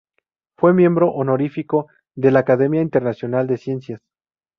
Fue miembro honorífico de la Academia Internacional de Ciencias.